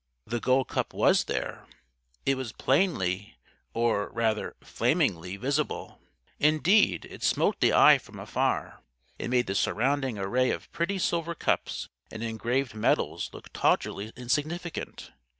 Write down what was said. The Gold Cup was there. It was plainly or, rather, flamingly visible. Indeed, it smote the eye from afar. It made the surrounding array of pretty silver cups and engraved medals look tawdrily insignificant.